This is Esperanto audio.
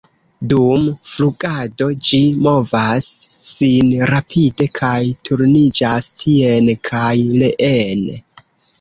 Dum flugado ĝi movas sin rapide kaj turniĝas tien kaj reen.